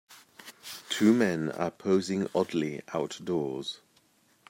Two men are posing oddly outdoors.